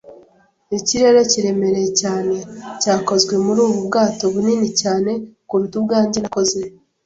ikirere kiremereye cyane cyakozwe muri ubu bwato bunini cyane kuruta ubwanjye nakoze,